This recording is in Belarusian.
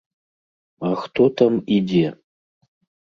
А хто там і дзе?